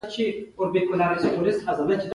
• ته زما د زړه خوږه برخه یې.